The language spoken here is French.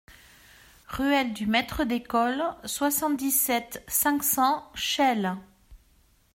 Ruelle du Maître d'École, soixante-dix-sept, cinq cents Chelles